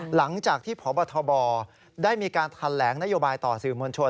หลังจากที่พบทบได้มีการแถลงนโยบายต่อสื่อมวลชน